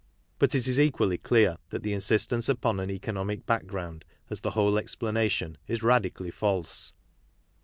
But it is equally clear that the insistence upon an economic background as the whole explanation is radic ally false.